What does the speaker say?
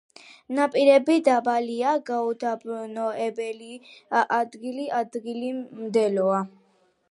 ნაპირები დაბალია, გაუდაბნოებული, ადგილ-ადგილ მდელოა.